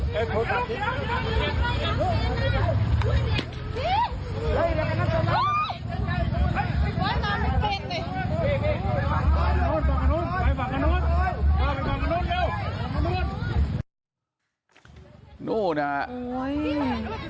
พวกมันไม่เป็นอ่ะช่วยดิ